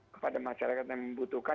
kepada masyarakat yang membutuhkan